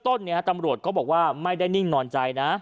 ต้นนี้ตำรวจก็บอกว่าไม่ได้นิ่งนอนใจนะ